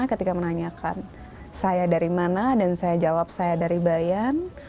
ketika menanyakan saya dari mana dan saya jawab saya dari bayan